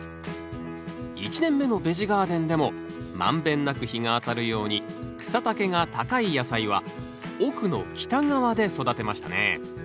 １年目のベジ・ガーデンでも満遍なく日が当たるように草丈が高い野菜は奥の北側で育てましたね